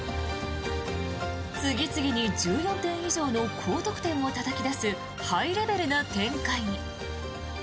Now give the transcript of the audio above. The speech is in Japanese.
次々に１４点以上の高得点をたたき出すハイレベルな展開に。